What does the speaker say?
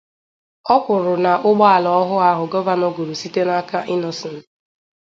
O kwuru na ụgbọala ọhụụ ahụ Gọvanọ gòrò site n'aka Innoson